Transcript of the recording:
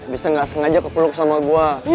bisa nggak sengaja kepeluk sama gue